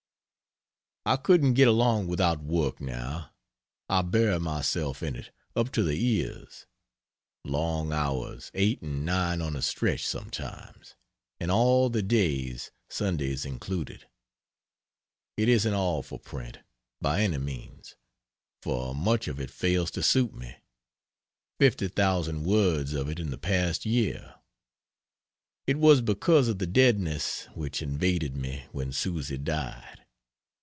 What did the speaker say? I couldn't get along without work now. I bury myself in it up to the ears. Long hours 8 and 9 on a stretch, sometimes. And all the days, Sundays included. It isn't all for print, by any means, for much of it fails to suit me; 50,000 words of it in the past year. It was because of the deadness which invaded me when Susy died.